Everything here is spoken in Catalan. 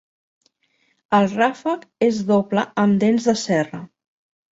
El ràfec és doble amb dents de serra.